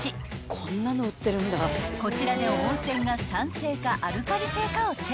［こちらで温泉が酸性かアルカリ性かをチェック］